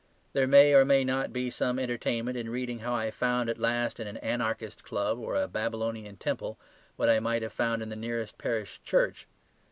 There may or may not be some entertainment in reading how I found at last in an anarchist club or a Babylonian temple what I might have found in the nearest parish church.